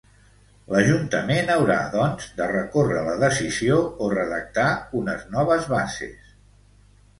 L'Ajuntament haurà, doncs, de recórrer la decisió o redactar unes noves bases.